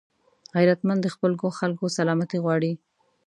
غیرتمند د خپلو خلکو سلامتي غواړي